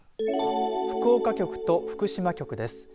福岡局と福島局です。